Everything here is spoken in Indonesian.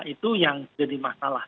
itu yang jadi masalah